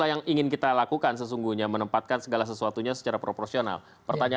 ya kita sebutkan itu puncernya